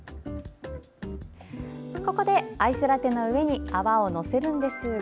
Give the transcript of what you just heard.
ここで、アイスラテの上に泡を載せるんですが。